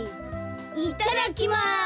いただきます！